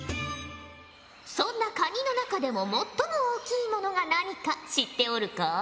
そんなカニの中でも最も大きいものが何か知っておるか？